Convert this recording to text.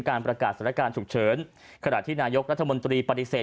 ประกาศสถานการณ์ฉุกเฉินขณะที่นายกรัฐมนตรีปฏิเสธ